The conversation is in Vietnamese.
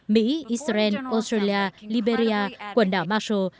mỹ israel australia liberia quần đảo marshall